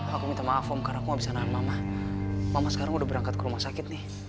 aku minta maaf om karena aku gak bisa nak mama mama sekarang udah berangkat ke rumah sakit nih